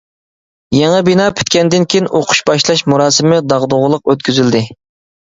يېڭى بىنا پۈتكەندىن كېيىن ئوقۇش باشلاش مۇراسىمى داغدۇغىلىق ئۆتكۈزۈلدى.